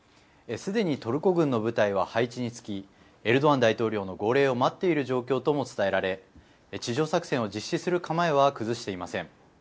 すでにトルコ軍の部隊は配置につきエルドアン大統領の号令を待っている状況とも伝えられ地上作戦を実施する構えは崩していません。